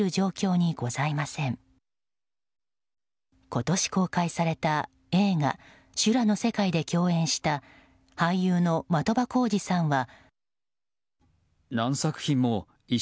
今年公開された映画「修羅の世界」で共演した俳優の的場浩司さんは。